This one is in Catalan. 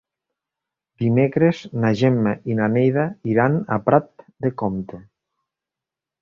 Dimecres na Gemma i na Neida iran a Prat de Comte.